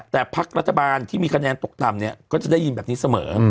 แต่พักรัฐบาลที่มีคะแนนตกต่ำเนี่ยก็จะได้ยินแบบนี้เสมอ